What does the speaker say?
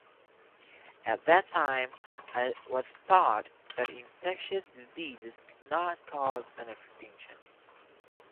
At the time it was thought that infectious diseases could not cause an extinction.